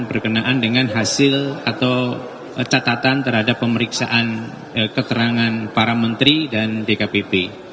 berkenaan dengan hasil atau catatan terhadap pemeriksaan keterangan para menteri dan dkpp